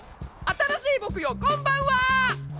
新しい僕よこんばんは！